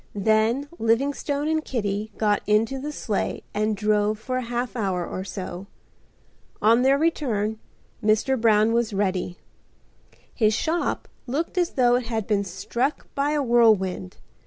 Then Livingstone and Kitty got into the sleigh and drove for a half hour or so. On their return Mr. Brown was ready. His shop looked as though it had been struck by a whirlwind.